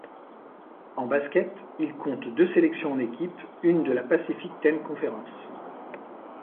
En basket, il compte deux sélections en équipe une de la Pacific Ten Conference.